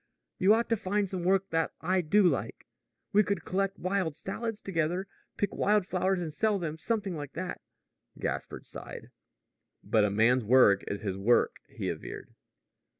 You ought to find some work that I do like. We could collect wild salads together pick wild flowers and sell them something like that." Gaspard sighed. "But a man's work is his work," he averred.